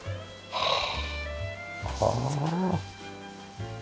はあ。